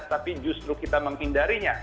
tapi justru kita menghindarinya